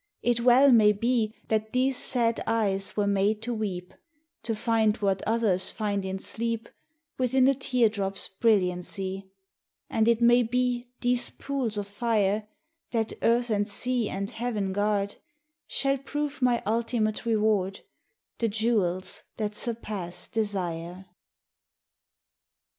it well may be That these sad eyes were made to weep, To find what others find in sleep Within a teardrop's brilliancy, And it may be these pools of fire That earth and sea and heaven guard, Shall prove my ultimate reward The jewels that surpass desire.